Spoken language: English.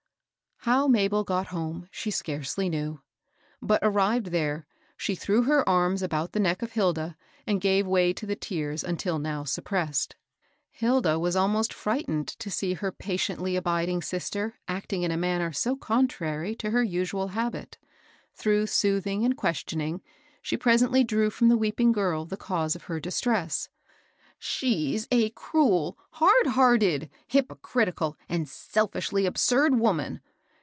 How Mabel got home she scarcely k«ftw\\sQfeu^ 26 886 MABBii BOSS. arrived there, slie threw her arms about the neck of Hilda, and gave way to the tears until now sup pressed. Hilda was almost frightened to see her patiently abiding sister acting in a manner so con trary to her usual habit. Through soothing and questioning, she presently drew from the weeping girl the cause of her distress. " She's a cruel, hard hearted, hypocritical, and selfishly absurd woman